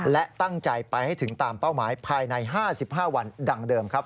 และตั้งใจไปให้ถึงตามเป้าหมายภายใน๕๕วันดังเดิมครับ